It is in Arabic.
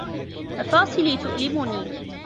مفاصلي تؤلمني.